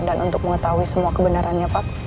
dan untuk mengetahui semua kebenarannya pak